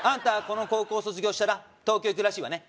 この高校卒業したら東京行くらしいわね